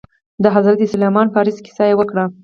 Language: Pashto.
د حضرت سلمان فارس کيسه يې وکړه.